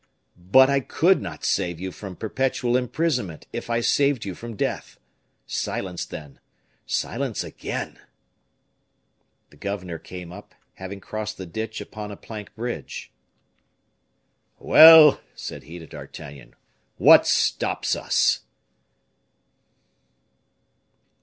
"But I could not save you from perpetual imprisonment if I saved you from death. Silence, then! Silence again!" The governor came up, having crossed the ditch upon a plank bridge. "Well!" said he to D'Artagnan, "what stops us?"